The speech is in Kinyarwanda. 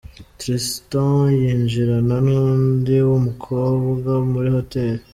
Tristan yinjirana n'undi mukobwa muri hoteli.